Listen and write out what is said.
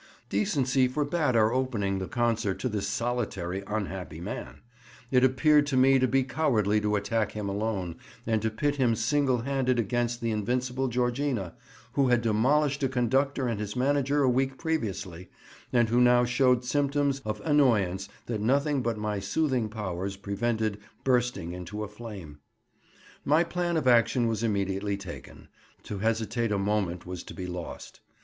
Decency forbade our opening the concert to this solitary unhappy man; it appeared to me to be cowardly to attack him alone, and to pit him single handed against the invincible Georgina, who had demolished a conductor and his manager a week previously, and who now showed symptoms of "annoyance" that nothing but my soothing powers prevented bursting into a flame. My plan of action was immediately taken; to hesitate a moment was to be lost.